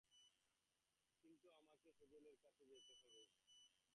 কিন্তু আমাকে হ্যাজেলের কাছে যেতে হবে!